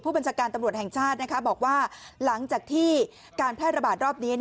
บัญชาการตำรวจแห่งชาติบอกว่าหลังจากที่การแพร่ระบาดรอบนี้